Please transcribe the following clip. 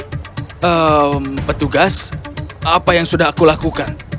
kepada petugas apa yang sudah aku lakukan